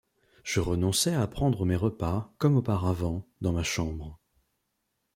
Je renonçai à prendre mes repas, comme auparavant, dans ma chambre.